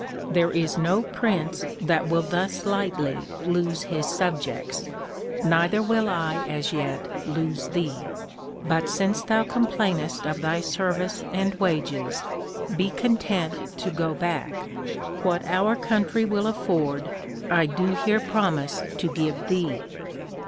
There is no Prince that will thus lightly lose his Subjects, neither will I as yet lose thee: but since thou complainest of thy service and wages, be content to go back; what our country will afford, I do here promise to give thee.